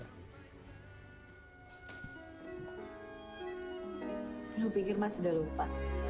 aku pikir mas sudah lupa